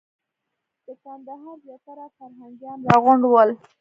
د کندهار زیاتره فرهنګیان راغونډ ول.